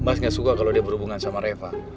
mas gak suka kalau dia berhubungan sama reva